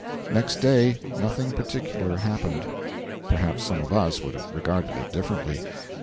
Next day 'nothing particular happened.' Perhaps some of us would have regarded it differently.